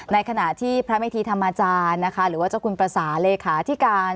ในขณะที่พระมิธีธรรมอาจารย์หรือว่าเจ้าคุณประสาเหลคาที่การ